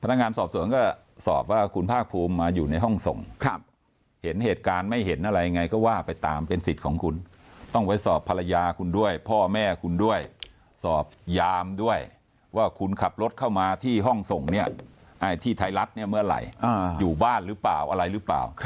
นักงานสอบสวนก็สอบว่าคุณภาคภูมิมาอยู่ในห้องส่งเห็นเหตุการณ์ไม่เห็นอะไรยังไงก็ว่าไปตามเป็นสิทธิ์ของคุณต้องไว้สอบภรรยาคุณด้วยพ่อแม่คุณด้วยสอบยามด้วยว่าคุณขับรถเข้ามาที่ห้องส่งเนี่ยที่ไทยรัฐเนี่ยเมื่อไหร่อยู่บ้านหรือเปล่าอะไรหรือเปล่า